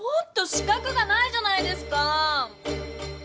四角がないじゃないですかぁ！